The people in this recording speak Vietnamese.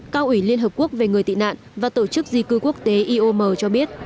cao ủy liên hợp quốc về người tị nạn và tổ chức di cư quốc tế iom cho biết